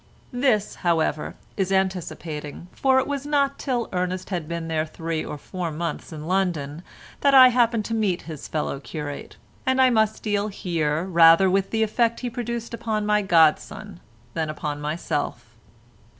This, however, is anticipating, for it was not till Ernest had been three or four months in London that I happened to meet his fellow curate, and I must deal here rather with the effect he produced upon my godson than upon myself.